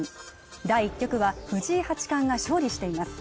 第１局は藤井八冠が勝利しています